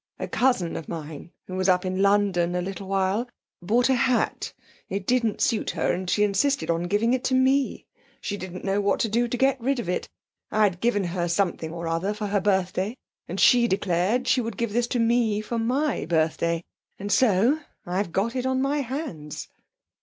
A cousin of mine who was up in London a little while bought a hat it didn't suit her, and she insisted on giving it to me! She didn't know what to do to get rid of it! I'd given her something or other, for her birthday, and she declared she would give this to me for my birthday, and so I've got it on my hands.'